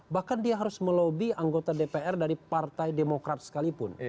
bahkan dia harus melobi anggota dpr dari partai demokrat sekalipun